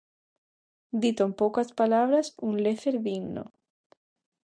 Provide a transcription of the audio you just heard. Dito en poucas palabras, un lecer digno.